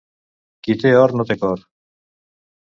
Qui té or no té cor.